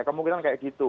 kemungkinan kayak gitu